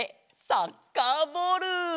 サッカーボール！